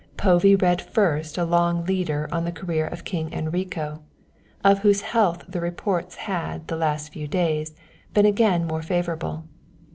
Povey read first a long leader on the career of King Enrico, of whose health the reports had the last few days been again more favourable.